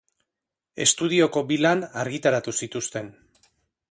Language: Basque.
Estudioko bi lan argitaratu zituzten.